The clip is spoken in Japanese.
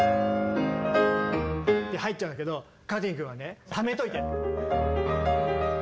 って入っちゃうんだけどかてぃん君はねためといて。